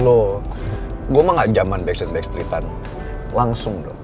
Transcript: lo gue mah gak jaman backstreet backstreettan langsung dong